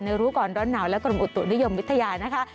รู้ก่อนร้อนหนาวและกรมอุตุนิยมวิทยานะคะ